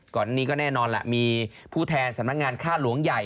ก่อนนี้ก็แน่นอนแหละมีผู้แทนสำนักงานค่าหลวงใหญ่